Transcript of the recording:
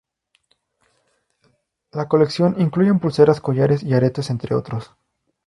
La colección incluyen pulseras, collares y aretes entre otros.